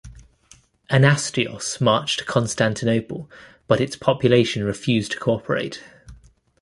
Anastasios marched to Constantinople, but its population refused to cooperate.